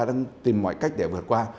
đang tìm mọi cách để vượt qua